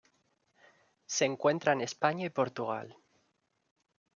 Se encuentra en España y Portugal.